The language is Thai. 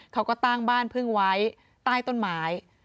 เขาก็ตั้งบ้านพึ่งไว้ใต้ต้นไม้